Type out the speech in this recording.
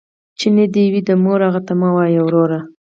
ـ چې نه دې وي، د موره هغه ته مه وايه وروره.